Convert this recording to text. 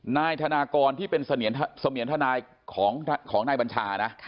นายธนากรที่เป็นเสมียนทนายของนายบัญชานะ